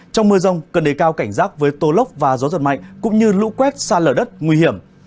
trong mưa rông cần đề cao cảnh giác với tô lốc và gió giật mạnh cũng như lũ quét xa lở đất nguy hiểm